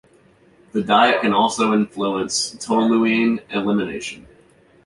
The diet can also influence toluene elimination.